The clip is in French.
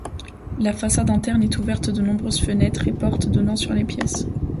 La façade interne est ouverte de nombreuses fenêtres et portes donnant sur les pièces.